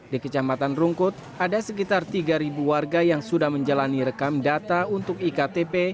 di kecamatan rungkut ada sekitar tiga warga yang sudah menjalani rekam data untuk iktp